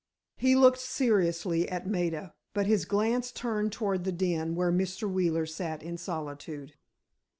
He looked seriously at Maida, but his glance turned toward the den where Mr. Wheeler sat in solitude.